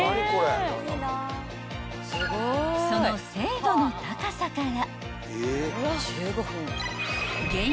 ［その精度の高さから］